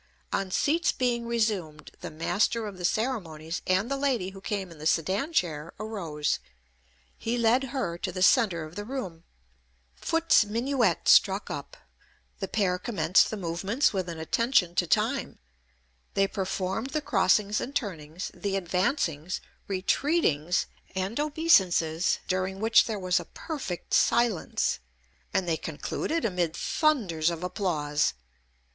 On seats being resumed, the master of the ceremonies and the lady who came in the sedan chair arose; he led her to the centre of the room; Foote's minuet struck up; the pair commenced the movements with an attention to time; they performed the crossings and turnings, the advancings, retreatings, and obeisances, during which there was a perfect silence, and they concluded amid thunders of applause.